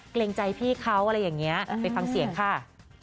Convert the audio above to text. เกรงใจพี่เขาอะไรอย่างนี้ไปฟังเสียงค่ะ